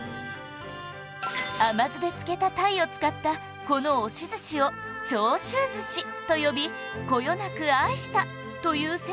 甘酢で漬けた鯛を使ったこの押し寿司を長州寿司と呼びこよなく愛したという説が残っているそう